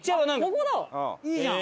ここだ！いいじゃん！